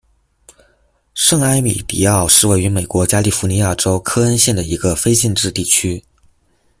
圣埃米迪奥是位于美国加利福尼亚州克恩县的一个非建制地区。